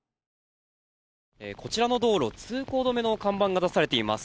こちらの道路、通行止めの看板が出されています。